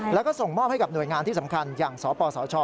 แล้วก็ส่งมอบให้กับหน่วยงานที่สำคัญอย่างสปสช